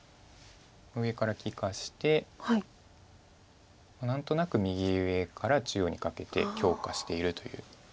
上から利かして何となく右上から中央にかけて強化しているという。